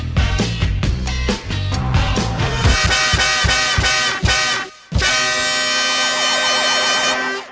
โปรดติดตามตอนต่อไป